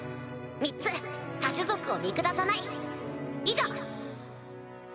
３つ他種族を見下さない以上！